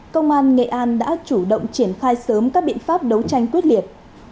công an nghệ an đã chủ động triển khai sớm các biện pháp đấu tranh quyết liệt